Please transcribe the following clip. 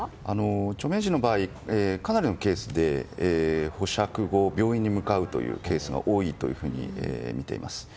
著名人の場合かなりのケースで保釈後、病院に向かうケースが多いとみています。